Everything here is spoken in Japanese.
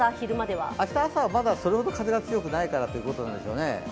明日朝まではそれほど風が強くないからということなんでしょうかね。